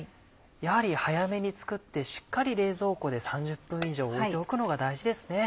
やはり早めに作ってしっかり冷蔵庫で３０分以上置いておくのが大事ですね。